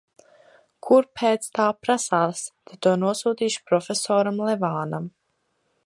Kur pēc tā prasās. Tad to nosūtīšu prof. Levānam.